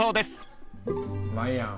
まいやん。